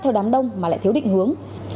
theo đám đông mà lại thiếu định hướng